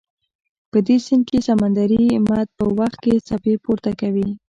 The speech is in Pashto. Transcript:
په دې سیند کې سمندري مد په وخت کې څپې پورته کوي.